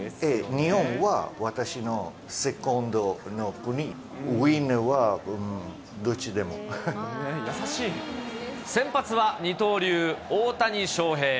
日本は私のセコンドの国、先発は二刀流、大谷翔平。